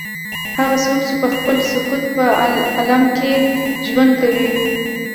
هغه څوک چې پخپله د سکوت په عالم کې ژوند کوي.